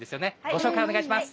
お願いします。